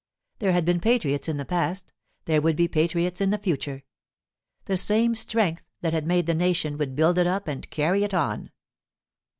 There had been patriots in the past; there would be patriots in the future. The same strength that had made the nation would build it up and carry it on.